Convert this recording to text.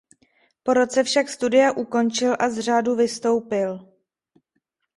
Po roce však studia ukončil a z řádu vystoupil.